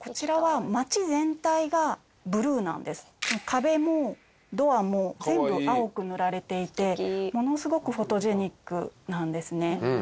壁もドアも全部青く塗られていてものすごくフォトジェニックなんですね。